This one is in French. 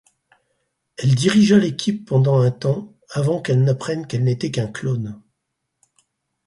Elle dirigea l'équipe pendant un temps avant qu'elle n'apprenne qu'elle n'était qu'un clone.